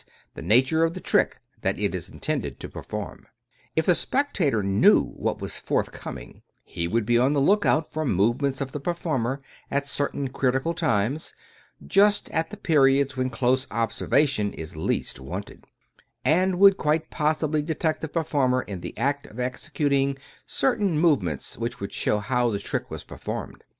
e., the nature of the trick that it is intended to perform. If the spectator knew what was forthcoming, he would be on the lookout for movements of the performer at certain critical times — ^just at the periods when close observation is least wanted ^nd would quite possibly detect the performer in the act of executing certain movements which would show how the trick was performed.